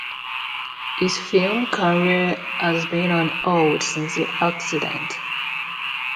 His film career has been on hold since the accident.